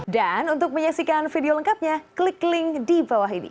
dan untuk menyaksikan video lengkapnya klik link di bawah ini